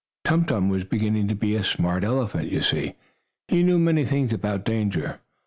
Tum Tum was beginning to be a smart elephant, you see. He knew many things about danger.